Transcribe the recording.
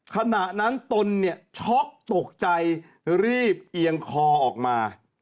ขณะนั้นตนเนี่ยช็อกตกใจรีบเอียงคอออกมา